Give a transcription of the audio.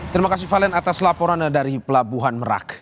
terima kasih valen atas laporannya dari pelabuhan merak